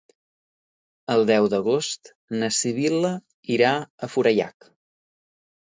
El deu d'agost na Sibil·la irà a Forallac.